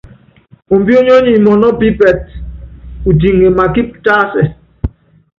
Ombiónyó nyi mɔnɔ́ upípɛtɛ, utiŋe makípi tásɛ.